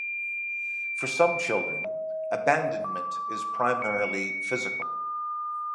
For some children abandonment is primarily physical.